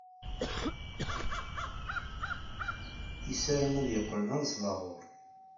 Yessaram ad yeqqel d anesbaɣur.